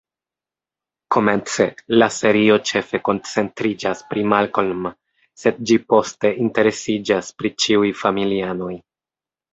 Komence, la serio ĉefe koncentriĝas pri Malcolm, sed ĝi poste interesiĝas pri ĉiuj familianoj.